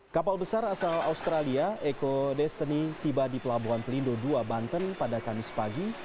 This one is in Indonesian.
kapal besar asal australia eko destiny tiba di pelabuhan pelindo dua banten pada kamis pagi